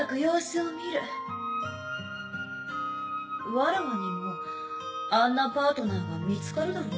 わらわにもあんなパートナーが見つかるだろうか。